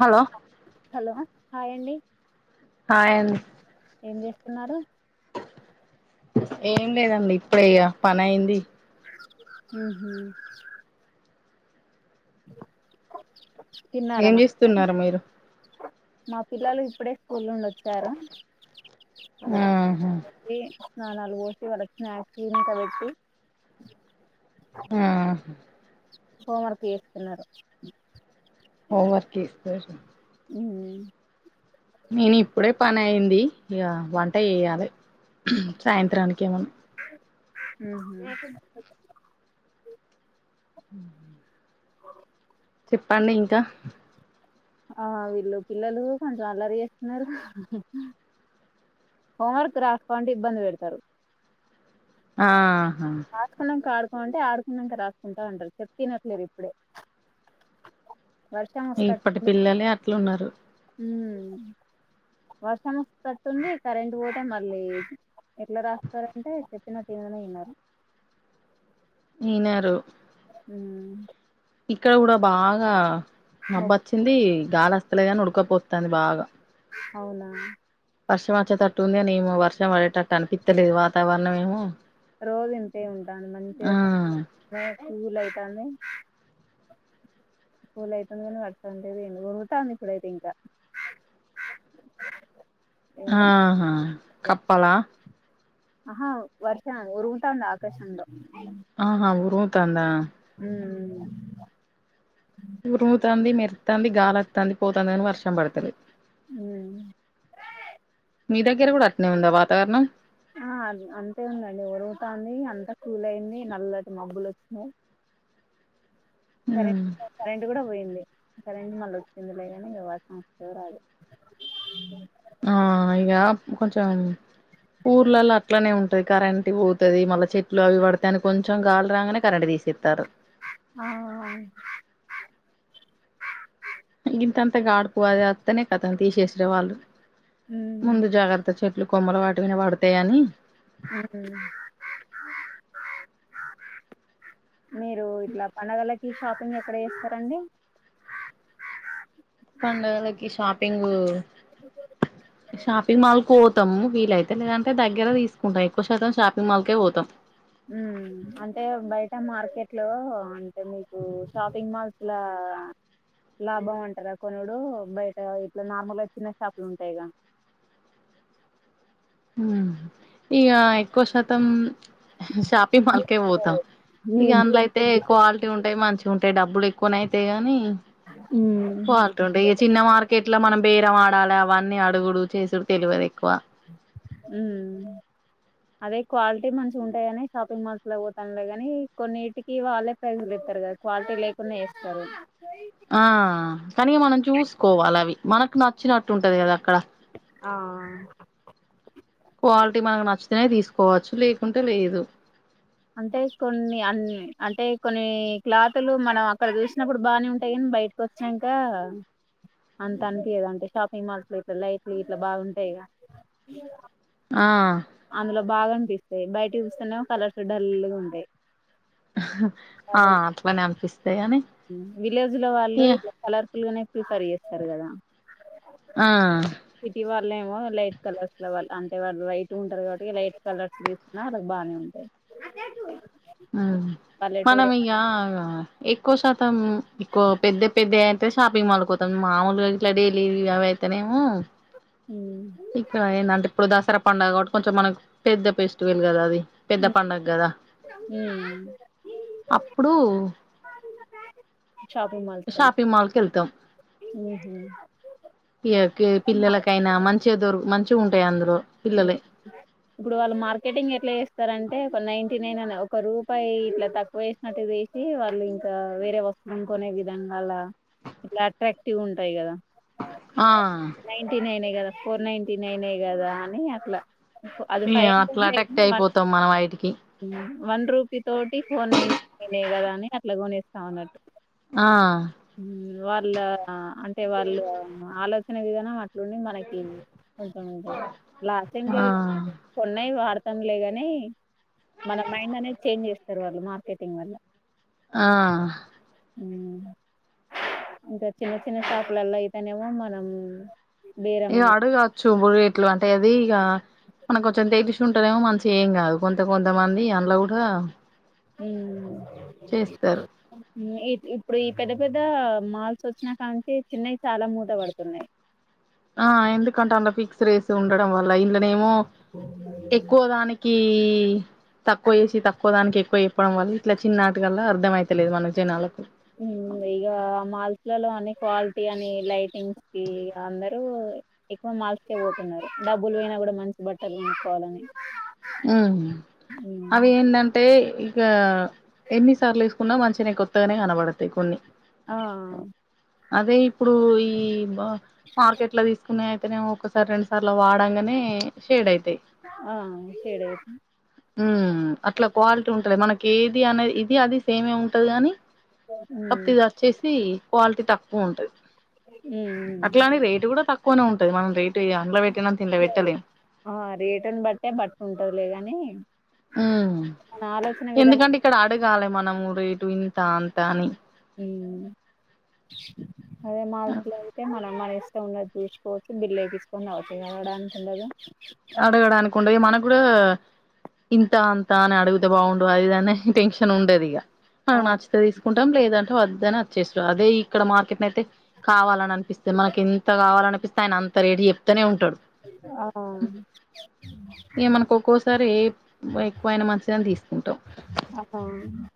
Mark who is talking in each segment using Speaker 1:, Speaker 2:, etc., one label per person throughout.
Speaker 1: Hello
Speaker 2: hello హ్యాండి
Speaker 1: హ్యాండి
Speaker 2: ఏం చేస్తున్నారు
Speaker 1: ఏం లేదండి ఇప్పుడేయిగా పని అయింది
Speaker 2: ఉహూ తిన్నారా
Speaker 1: ఏం
Speaker 2: మ
Speaker 1: చేస్తున్నారు మీరు
Speaker 2: మా పిల్లలు ఇప్పుడే స్కూల్ నుండి వచ్చారు అలాగ
Speaker 1: ఆహా
Speaker 2: వీ స్నానాలు పోసి వాళ్లకి స్నాక్స్ గింట పెట్టి
Speaker 1: ఉ
Speaker 2: హోంవర్క్ చేస్తున్నారు
Speaker 1: హోం వర్క్ చేస్తారు
Speaker 2: ఉ
Speaker 1: నేను ఇప్పుడే పని అయింది ఇక వంట చేయాలే సాయంత్రానికి ఏమన్నా
Speaker 2: ఉహూ
Speaker 1: ఉ చెప్పండి ఇంకా
Speaker 2: ఆ వీళ్ళు పిల్లలు కొంచెం అల్లరి చేస్తున్నారు హోంవర్క్ రాసుకో అంటే ఇబ్బంది పెడతారు
Speaker 1: ఆహా
Speaker 2: రాసుకున్నాక ఆడు అంటే ఆడుకున్నాక రాసుకుంటా ఉంటారు చెప్తే వినట్లేరు ఇప్పుడే వర్షం వస్తది
Speaker 1: ఇప్పటి పిల్లలే అట్లున్నారు
Speaker 2: ఉమ్ వర్షం వచ్చేటట్టు ఉంది కరెంట్ పోతే మళ్ళీ ఎట్లా రాస్తారంటే చెప్పినట్టు ఇననే ఇనారు
Speaker 1: ఇనారు
Speaker 2: ఉమ్
Speaker 1: ఇక్కడ కూడా బాగా
Speaker 2: మా
Speaker 1: మబ్బచ్చింది గాలస్తలేదు గాని ఉడకపోస్తాంది బాగా
Speaker 2: అవునా
Speaker 1: వర్షం వచ్చేతట్టు ఉందిని ఏమో వర్షం పడేటట్టు అనిపిత్తలేదు వాతావరణం ఏమో
Speaker 2: రోజూ ఇంతే ఉంటాన్ది మంచిగా
Speaker 1: ఆ
Speaker 2: కూల్ అయితాంది ఫూల్ అయితాంది కానీ వర్షం లేదు ఏం లేదు ఉరుముతాంది ఇప్పుడు అయితే ఇంకా ఏమో
Speaker 1: ఆహా
Speaker 2: మరి.
Speaker 1: కప్పల
Speaker 2: ఆహా వర్ష ఉరుముతాంది ఆకాశంలో
Speaker 1: ఆహా ఉరుముతాందా
Speaker 2: ఉమ్
Speaker 1: ఉరుముతాంది మెరుత్తాంది గాలివత్తాంది పోతుంది గాని వర్షం పడతలేదు
Speaker 2: ఉ
Speaker 1: మీ దగ్గర కూడా అట్నే ఉందా వాతావరణం
Speaker 2: ఆ అం అంతే ఉందండి ఉరుముతాంది అంతా కూల్ అయింది నల్లటి మబ్బులు వచ్చినాయి
Speaker 1: ఉమ్
Speaker 2: కరెంట్ కరెంట్ కూడా పోయింది కుందె కరెంట్ మళ్ళ వచ్చింది లేగానీ వర్షం వస్తాదో రాదో
Speaker 1: ఆ ఇగ కొంచం ఊర్లలో అట్లనే ఉంటుది కరెంట్ పోతాది మళ్ళా చెట్లు అవి పడతాయని కొంచెం గాలి రాగానే కరెంట్ తిసే స్తరు
Speaker 2: ఆ
Speaker 1: ఇంతంత గాడుపు అది వత్తనే కదా తీసేసిరి వాళ్ళు
Speaker 2: ఉమ్
Speaker 1: ముందు జాగ్రత్త చెప్పి ఇట్లా కొమ్మల వాటి పైనా పడుతాయని
Speaker 2: ఉమ్ [unintelligible] మీరు ఇట్లా పండగలకి షాపింగ్ ఎక్కడ చేస్తారండి
Speaker 1: పండగలకి షాపింగు షాపింగ్ మాల్ కి పో తం వీలైతే లేదంటే దగ్గర తీసుకుంట ఎక్కువ శాతం షాపింగ్ మాల్కే పోతాం
Speaker 2: మ్ అంటే బయట మార్కెట్ లో అంటే మీకు షాపింగ్ మాల్స్లా ఆ లాభం అంటారా కొనుడు బయట ఇట్లా నార్మల్గా చిన్న షాపులు ఉంటాయిగా
Speaker 1: మ్ ఇక ఎక్కువ శాతం షాపింగ్ మాల్కే పోతాం ఇగ
Speaker 2: ఉమ్
Speaker 1: అందులో అయితే క్వాలిటీ ఉంటాయి మంచి ఉంటాయి డబ్బులు ఎక్కువనయితయి కాని క్వాలిటీ ఉంటాయి ఇక చిన్న మార్కెట్ లో మనం బేరం ఆడాల అవన్నీ అడుగుడు చేసుడు తెలవదు ఎక్కువ
Speaker 2: మ్ అదే క్వాలిటీ మంచిగ ఉంటాయిని షాపింగ్ మాల్స్ లో పోతాంలే గానీ కొన్నిటికి వాళ్ళే ప్రైజ్ లేక్ స్తారు కదా క్వాలిటీ లేకున్నా ఏస్తారు
Speaker 1: ఆ కనిఇగ మనం చూసుకోవాలి అవి మనకు నచ్చినట్టు ఉంటది కదా అక్కడ
Speaker 2: ఆ
Speaker 1: క్వాలిటీ మనకు నచ్చితేనే తీసుకోవచ్చు లేకుంటే లేదు
Speaker 2: అంటే కొన్ని అన్ని అంటే కొన్ని క్లాతులు మనం అక్కడ చూసినప్పుడు బానే ఉంటాయి కాని బయటకు వచ్చినాక అంత అనిపీయదు అంటే షాపింగ్ మాల్స్ లో ఇట్లా లైట్లు గిట్లు బాగుంటాయిగా
Speaker 1: ఆ
Speaker 2: అందులో బాగా అనిపిస్తాయి బయట చూస్తేనేమో కలర్స్ డల్ గా ఉంటాయి
Speaker 1: హా ఆ అట్లనే అనిపిస్తాయి గాని
Speaker 2: విలేజ్ లో వాళ్ళు ఇట్లా కలర్ఫుల్ గానే ప్రిఫర్ చేస్తారు కదా
Speaker 1: ఆ
Speaker 2: పూలే ఏమో లైట్ కలర్స్ లో వాళ్ళు అంటే వాళ్ళు వైట్ గ ఉంటారు కాబట్టి లైట్ కలర్స్ తీసుకున్నా వాళ్ కి బాగానే ఉంటాయి నా కసు
Speaker 1: ఆ మనం ఇగ ఎక్కువ శాతం ఎక్కువ పెద్ద పెద్ద అయితే షాపింగ్ మాల్ పోతాం మామూలుగా ఇట్లా డైలీ అవీ అయ్ తనేమో
Speaker 2: ఉమ్
Speaker 1: ఇక్కడ ఏందంటే ఇప్పుడు దసరా పండుగ కాబట్టి కొంచెం మనకు పెద్ద పేస్ట్ వలు కదా అది పెద్ద పండగ గదా
Speaker 2: ఉమ్,
Speaker 1: అప్పుడు
Speaker 2: ఉమల్స్కండ్
Speaker 1: షాపింగ్ మాల్కి వెళ్తాం
Speaker 2: ఉమ్ ఉమ్
Speaker 1: ఇగ ఈ పిల్లలకైనా మంచిగా దొరు మంచిగా ఉంటాయి అందులో పిల్లలయి
Speaker 2: ఇప్పుడు వాళ్ళు మార్కెటింగ్ ఎట్లా చేస్తారంటే ఒక నైన్టీ నైన్ అని ఒక రూపాయి ఇట్లా తక్కువ వేసినట్టు వేసి వాళ్ళు ఇంకా వేరే వస్తువులు కొనే విధంగాల ఇట్లా అట్రాక్టివ్ ఉంటాయి కదా
Speaker 1: ఆ
Speaker 2: నైన్టీ నైనే కదా ఫోర్ నైటీ నైనే కదా అని అట్ల అది
Speaker 1: ఇగ
Speaker 2: ఫైవ్
Speaker 1: అట్లా
Speaker 2: హండ్రెడ్లే
Speaker 1: అటాక్ట్
Speaker 2: వన్
Speaker 1: అయిపోతాం మనం వాటికి
Speaker 2: ఉమ్ వన్ రూపీ తోటి ఫోర్ నైన్ టి నైనే కదా అని అట్లా కొనేస్తా ఉన్న
Speaker 1: ఆ
Speaker 2: వాళ్ళ అంటే వాళ్ళు ఆలోచన విధనం అట్ మనకి కంచం ఇగ లా
Speaker 1: ఆ
Speaker 2: కొన్ని వాడతాంలేగాని మన మైండ్ అనేది చేంజ్ చేస్తారు వాళ్ళు మార్కెటింగ్ వల్ల
Speaker 1: ఆ
Speaker 2: ఉ ఇంక చిన్న చిన్న షాపులలో అయితేనేమో మనం
Speaker 1: ఇగ
Speaker 2: బేరమాడ
Speaker 1: అడు కావచ్చు ముడి ఇట్లు అంటే అది ఇగ మనకు కొంచెం తెలిసు ఉంటారేమో మంచిగ ఎం కాదు కొంత కొంతమంది అందులో కూడా
Speaker 2: ఉ
Speaker 1: చేస్తారు
Speaker 2: ఇ ఇప్పుడు పెద్ద పెద్ద మాల్స్ వచ్చినా కాంచి చిన్నవి చాలా మూత పడుతున్నాయి
Speaker 1: ఆ ఎందుకంటే అంత ఫిక్స్ రేసి ఉండడం వల్ల ఇల్ళనేమో ఎక్కువ దానికి ఇ తక్కువ చేసి తక్కువ దానికి ఎక్కువ ఎప్పడం వల్ల ఇట్ల చిన్నటికల్లా అర్ధం అయితలేదు మన జనాలకు
Speaker 2: ఇగ మాల్స్లలో అని క్వాలిటీ అని లైటింగ్స్ కి ఇ అందరు ఎక్కువ మాల్స్కే పోతున్నారు డబ్బులు పోయినా కూడా మంచి బట్టలు కొన్నుకోవాలని
Speaker 1: ఉ అవి ఏందంటే య ఎన్నిసార్లు వేసుకున్నా మంచిగానే కొత్తగానే కనబడతాయి కొన్ని
Speaker 2: ఆ
Speaker 1: అదే ఇప్పుడు ఈ మార్కెట్ లో తీసుకు అయితేనేమో ఒకసారి రెండు సార్లు అవి వడంగానే షేడ్ అయి
Speaker 2: ఆ అం
Speaker 1: ఉ అట్ల క్వాలిటీ ఉంటది మనకి కేది అనేది ఇది అది సేమే ఉంటది కానీ కాపోతె ఇది వచ్చేసి క్వాలిటీ తక్కువ ఉంటది అట్లని రేటు కూడా తక్కువనే ఉంటది మనం రేట్ అందులో పెట్టినంత ఇందులో పెట్టలేము
Speaker 2: ఉంటాయిలే గానీ
Speaker 1: ఉ ఎందుకంటే ఇక్కడ అడగాలి మనము రేటు ఇంత అంత అని
Speaker 2: ఉ అదె మాల్స్ లో అయితే మనం మన ఇష్టం ఉన్నట్టు ఎచ్చుకోవచ్చు బిల్ ఎపించుకొని రావచ్చు ఇంగ అడగడానికి ఉండదు
Speaker 1: అడగడానికి ఉండదు మనకు కూడా ఇంత అంతా అని అడిగితే బాగుండదు అదిదనే టెన్షన్ ఉండదిగ
Speaker 2: ఆ
Speaker 1: మనకు నచ్చితే తీసుకుంటాం లేదం వద్దనే వచ్చేసురు అదే ఇక్కడ మార్కెట్ న అయితే కావాలని అనిపిస్తేంది మనకి ఎంత కావాల అనిపిస్తే ఆయన త రేట్ చెప్తనే ఉంటడు
Speaker 2: అ
Speaker 1: ఇంగ మనకు ఒక్కోసారి ఏ ఎక్కువైనా మంచిదని తీసుకుంటాం
Speaker 2: ఆహా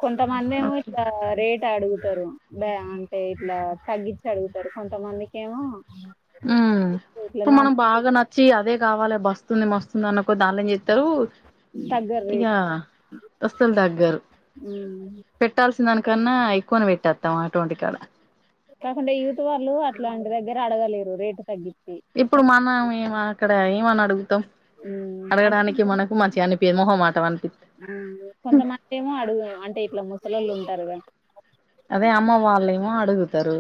Speaker 2: కొంతమంది ఏమో
Speaker 1: ఓకే
Speaker 2: ఇక్కడ రేట్ అడుగు తరు బ అంటే ఇట్లా తగ్గించి అడుగుతారు కొంతమందికేమో
Speaker 1: ఉ ఇప్పుడు మనం బాగా నచ్చి అదే కావాలి బస్తుంది మస్తుంది అనుకో దానిలో ఏం చే తరు
Speaker 2: తగ్గరు
Speaker 1: ఇగ
Speaker 2: రేటు
Speaker 1: అస్సలు తగ్గరు పెట్టాల్సిన దానికన్నా ఎక్కువనె పెట్టొత్తం అటువంటి కాడ
Speaker 2: కాకుండా యుత్ వాళ్ళు అట్లాంటి దగ్గర అడగలేరు రేటు తగ్గి
Speaker 1: ఇప్పుడు మన మేము అక్కడ ఏమని అడుగు
Speaker 2: ఉ
Speaker 1: అడగడానికి మనకు మంచిగా అనిపియదు మొహమాటం అనిపి.
Speaker 2: ఆ కొంతమంది ఏమో అడుగు అంటే ఇట్లా ముసలోళ్ళు ఉంటారుగా.
Speaker 1: అదే అమ్మ వాళ్లేమో అడుగుతరు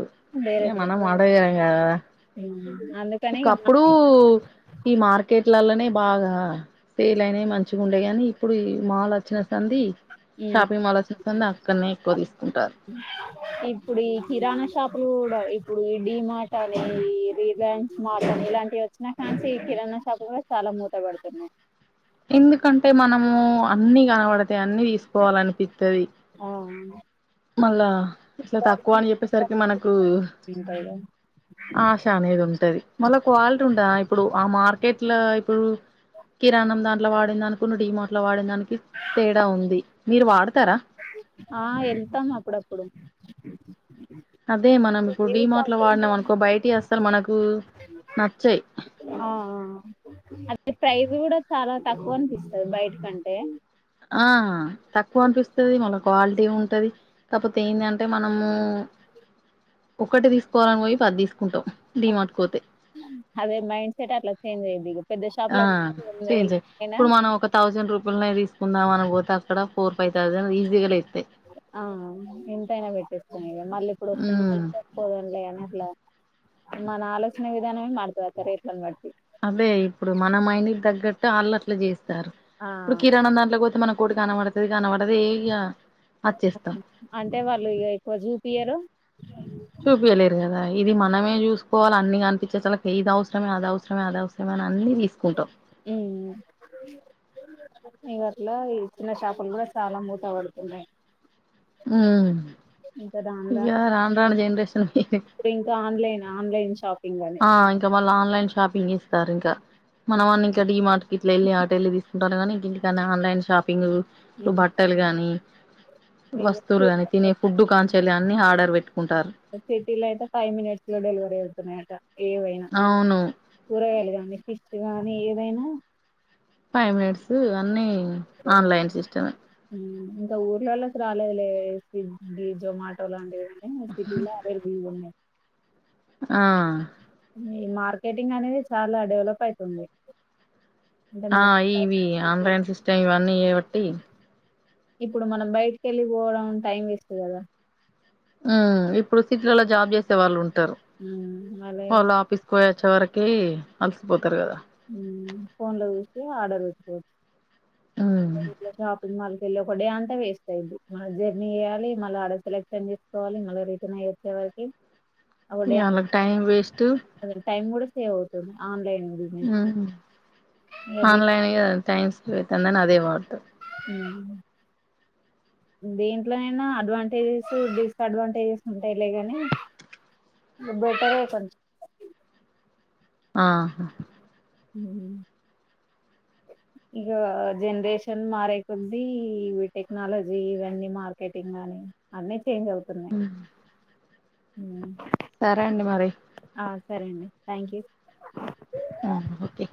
Speaker 2: వేరే
Speaker 1: ఏ
Speaker 2: చేస్తారు.
Speaker 1: మనం అడగ [unintelligible] గదా.
Speaker 2: ఉమ్, అందుకని ఇక మా-
Speaker 1: ఒకప్పుడు ఈ మార్కెట్ ట్లల్లనే బాగా సేల్అయినయ్ మంచిగా ఉండైగాని, ఇప్పుడు ఈ మాల్ వచ్చిన సంది.
Speaker 2: ఉమ్,
Speaker 1: షాపింగ్ మాల్ వచ్చిన సంధి అక్కనే ఎక్కువ తీసుకుంటారు.
Speaker 2: ఇప్పుడు ఈ కిరాణా షాపులు కూడా, ఇప్పుడు ఈ డి మార్ట్ అని, ఈ రిలయన్స్ మార్ట్. ఇలాంటివి వచ్చినా కాంచి కిరాణా షాపు కూడా చాలా మూత పడుతున్నాయి.
Speaker 1: ఎందుకంటే మనము అన్ని కనబడతాయి, అన్ని తీసుకోవాల అనిపిత్తది.
Speaker 2: ఆ,
Speaker 1: మళ్ళా ఇట్లా తక్కువ అని చెప్పేసరికి మనకు. ఆశ అనేది ఉంటది మళ్ళా క్వాలిటీ ఉంటదా ఇప్పుడు ఆ మార్కెట్ లా. ప్పుడు కిరాణం దాంట్లో వాడిన్దనుకును, డి మార్ట్ లో వాడిన దానికి తేడా ఉంది మీరు వాడతారా?
Speaker 2: ఆ వెళ్తాం అప్పుడప్పుడు
Speaker 1: అదే మనం ఇప్పుడు డి మార్ట్ లో వాడినాం అనుకో బయటి అస్సలు మనకు నచ్చాయి.
Speaker 2: ఆ, ఆ, ఆ అది ప్రైస్ కూడా చాలా తక్కువ అనిపిస్తది బయటి కంటే.
Speaker 1: ఆ తక్కువనిపిస్తది, మళ్ళ క్వాలిటీ ఉంటది కాకపోతే ఏంటంటే మనము.
Speaker 2: అ
Speaker 1: ఒక్కటీ తీసుకోవాలని పోయి పది తీస్
Speaker 2: [inaudible] అదే మైండ్ సెట్ అట్లా చేంజ్ అయ్యింది.
Speaker 1: ఆ చేంజ్ ఇప్పుడు మనం ఒక థౌజండ్ రూపాల్. [unintelligible] కుందామని పోతే అక్కడ ఫోర్ ఫైవ్ థౌసండ్ ఈజీ లే
Speaker 2: ఆ ఎంతైనా పెట్టిస్తాను ఇగ మళ్ళీ ఎప్పుడొస్తావ్?
Speaker 1: ఉమ్
Speaker 2: పోదంలే అనీ అట్లా. మన ఆలోచన విధానమే మరతది [unintelligible] రేట్లను బట్టి.
Speaker 1: అవే ఇప్పుడు మన మైండ్కి తగ్గట్టు అళ్ళు అట్లే చేస్తారు.
Speaker 2: ఆ
Speaker 1: ఇప్పుడు కిరాణం దాంట్లో పోతే మనం. కోటి కన పడతది కాన పడదు ఏయ్గా.
Speaker 2: అంటే వాళ్ళు ఇగ ఎక్కువ జూపియ్యరు.
Speaker 1: చూపియలేరు కదా! ఇది మనమే చూసుకోవాల అన్ని కనిపించే సలకి ఇది అవసరమే, అది అవసరమే, అది అవసరమే. అని అన్ని తీసుకుంటాం
Speaker 2: మ్మ్ ఈ గట్ల ఈ చిన్న షాపులు కూడా చాలా మూత పడుతున్నాయి.
Speaker 1: ఊ
Speaker 2: ఇంకా దాని దా
Speaker 1: ఇగ రాను రాను జెనరేషన్.
Speaker 2: ఇప్పుడు ఇంకా ఆన్లైన్ ఆన్లైన్ షాపింగ్ అని
Speaker 1: ఆ ఇంకా మల్ల ఆన్లైన్ షాపింగ్ చేస్తారింకా. మనవన్నింకా డి మార్ట్ కిట్ల వెళ్ళి అటెల్లి తీసుకుంటారుగానీ, ఇంటికాన్నే ఆన్లైన్ షాపింగు. [unintelligible] బట్టలు గాని వస్తువులు గాని
Speaker 2: ఇగ
Speaker 1: తినే ఫుడ్ ఖాన్ చెల్లి అన్ని హర్డర్ పెట్టుకుంటా.
Speaker 2: సిటీ లో అయితే ఫైవ్ మినిట్స్ లో డెలివరీ అవుతున్నాయట. ఏవైనా
Speaker 1: అవును
Speaker 2: కూరగాయలు గానీ, ఫిష్ గానీ ఏదైనా.
Speaker 1: ఫైవ్ మినిట్స్ అన్నీ
Speaker 2: హు
Speaker 1: ఆన్లైన్ సిస్టమే
Speaker 2: ఇంకా ఊర్లలో రాలేదు లే స్విగ్గి, జొమాటో లాంటి [unintelligible] సిటీలో అవైలబుల్లున్నాయి.
Speaker 1: ఆ
Speaker 2: ఈ మార్కెటింగ్ అనేది చాలా డెవలప్ అయితుంది.
Speaker 1: ఆ ఇవి ఆన్లైన్ సిస్టమ్ ఇవన్నీ ఏబట్టి
Speaker 2: ఇప్పుడు మనం బయటికి వెళ్ళి పోవడం టైం వేస్ట్ కదా
Speaker 1: ఉ ఇప్పుడు సిటీలలో జాబ్ చేసే వాళ్ళు ఉంటారు
Speaker 2: వాళ్ళ ఏమై
Speaker 1: వాళ్ళు ఆఫీస్కు పోయి చివరకి అలసిపోతారు కదా
Speaker 2: ఫోన్ లో చూసి ఆర్డర్ పెట్టుకోవచ్చు
Speaker 1: ఉమ్
Speaker 2: షాపింగ్ మాల్ పెళ్ళి ఒక ే అంతా వేస్ట్ అయ్యుద్ది మళ్ జర్నీ చేయాలి మళ్ళ ఆడ సెలక్షన్ చేసుకోాలిళ్ళీ రిటర్న్ అ్యే
Speaker 1: ఇగ వాళ్ళకి టైం వేస్ట్
Speaker 2: టైమ్ కూడా సేవ్ అవుతుంది ఆన్లైన్ బిజినెస్ అది
Speaker 1: ఆన్లైన్ టైం సేవ్ అవుతంది అదే మార్తం
Speaker 2: హుహు దీంట్లోనైనా అడ్వాంటేజెస్ డిసఅడ్వాంటేజెస్ ఉంటాయిలే ని బెటరే కొంచెం
Speaker 1: ఆహా
Speaker 2: ఉహు ఇక జనరేషన్ మారే కొద్ది ఇ టెక్నాలజీ ఇవన్నీ మార్కెటింగ్ కానీ అన్నీ చేంజ్ అవుతున్నాయి
Speaker 1: సరే అండి మరి
Speaker 2: ఆ సరే అండి థ్యాంక్ యూ
Speaker 1: అఓకే